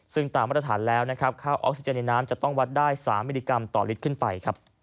ซึ่งตามพื้นธรรมแล้วข้าวออกซิเจนในน้ำต้องวัดได้๓มิลลิกรัมตอลิตบลุนขึ้นไป